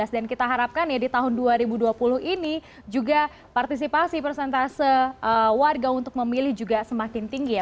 dan kita harapkan ya di tahun dua ribu dua puluh ini juga partisipasi persentase warga untuk memilih juga semakin tinggi ya